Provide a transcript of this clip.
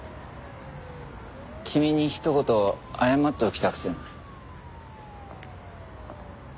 君にひと言謝っておきたくてな。